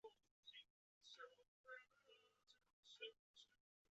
晋国伯宗之子。